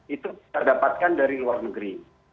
itu bisa dapatkan dari luar negeri